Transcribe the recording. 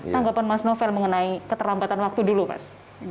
tanggapan mas novel mengenai keterlambatan waktu dulu mas